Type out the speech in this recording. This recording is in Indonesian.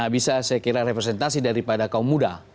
bisa saya kira representasi daripada kaum muda